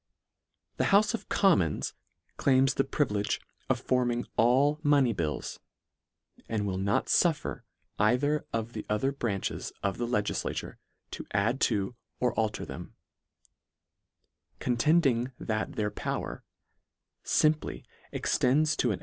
The houfe of Commons claim the privi lege of forming all money bills, and will not fuffer either of the other branches of the legiflature to add to or alter them; contend ing that their power, limply extends to an (r) 2 Cor.